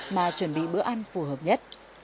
mà chuẩn bị bữa ăn phù hợp nhất